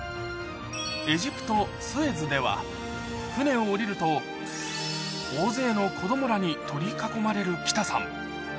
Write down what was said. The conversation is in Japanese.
エジプト・スエズでは、船を降りると、大勢の子どもらに取り囲まれる北さん。